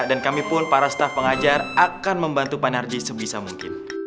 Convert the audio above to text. dan kami pun para staf pengajar akan membantu bang narji sebisa mungkin